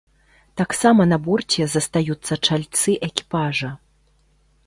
Таксама на борце застаюцца чальцы экіпажа.